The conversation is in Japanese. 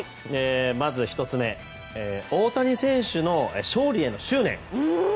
まず１つ目大谷選手の勝利への執念。